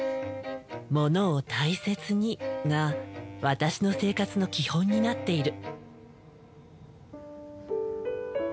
「ものを大切に」が私の生活の基本になっている。